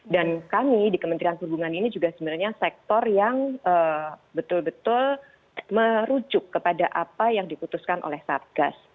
dan kami di kementerian perhubungan ini juga sebenarnya sektor yang betul betul merujuk kepada apa yang diputuskan oleh satgas